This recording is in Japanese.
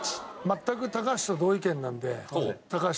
全く高橋と同意見なんで。